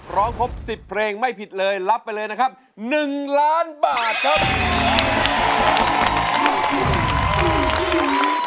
ร้องครบ๑๐เพลงไม่ผิดเลยรับไปเลยนะครับ๑ล้านบาทครับ